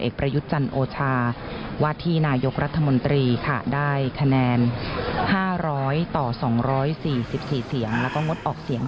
ขนาด๕๐๐ต่อ๒๔๔เสียงแล้วก็งดออกเสียง